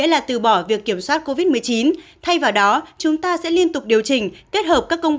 là từ bỏ việc kiểm soát covid một mươi chín thay vào đó chúng ta sẽ liên tục điều chỉnh kết hợp các công